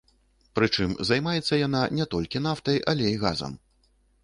Прычым займаецца яна не толькі нафтай, але і газам.